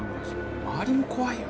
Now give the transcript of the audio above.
周りも怖いよな。